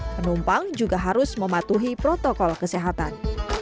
penumpang juga harus mematuhi protokol kesehatan